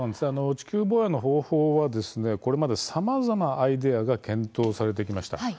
地球防衛の方法はこれまで、さまざまアイデアが検討されてきました。